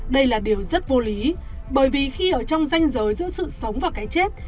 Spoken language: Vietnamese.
đây là điều rất vô lý bởi vì khi ở trong danh giới giữa sự sống và cái chết